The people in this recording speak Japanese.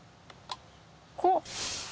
おっ！